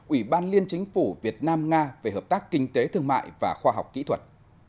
ủy ban liên chính phủ việt nam nga về hợp tác kinh tế thương mại và khoa học kỹ thuật